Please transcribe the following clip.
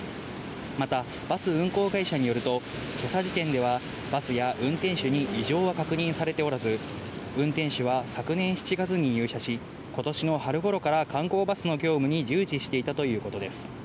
またバス運行会社によると、けさ時点では、バスや運転手に異常は確認されておらず、運転手は昨年７月に入社し、ことしの春ごろから観光バスの業務に従事していたということです。